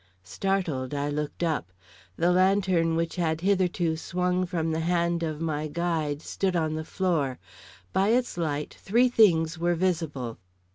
Startled, I looked up. The lantern which had hitherto swung from the hand of my guide stood on the floor. By its light three things were visible.